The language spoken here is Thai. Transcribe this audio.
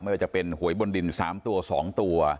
ว่าจะเป็นหวยบนดิน๓ตัว๒ตัว